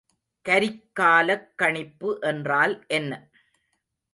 கரிக்காலக் கணிப்பு என்றால் என்ன?